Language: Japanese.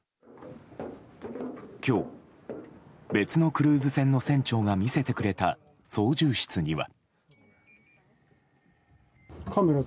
今日、別のクルーズ船の船長が見せてくれた操縦室には。